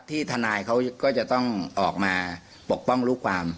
ทนายเขาก็จะต้องออกมาปกป้องลูกความ